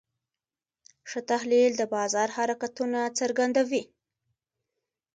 ښه تحلیل د بازار حرکتونه څرګندوي.